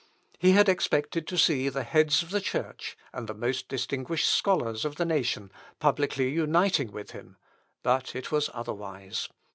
He had expected to see the heads of the church, and the most distinguished scholars of the nation, publicly uniting with him; but it was otherwise.